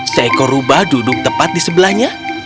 seekor rubah duduk tepat di sebelahnya